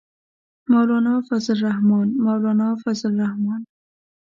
مولانا فضل الرحمن، مولانا فضل الرحمن.